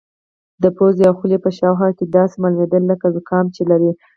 د پوزې او خولې په شاوخوا کې داسې معلومېده لکه زکام چې لري.